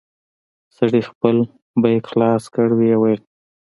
سړي خپل بېګ خلاص کړ ويې ويل.